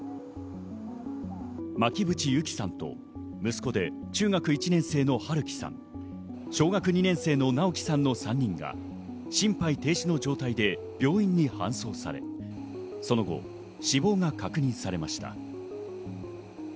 巻渕友希さんと息子で中学１年の春樹さん、小学２年生の尚煌さんの３人が心肺停止の状態で病院に搬送され、その後死亡が確認されました。